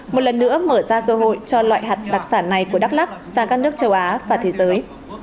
một lần nữa mở ra cơ hội cho loại hạt đặc sản này của đắk lắc sang các nước châu á và thế giới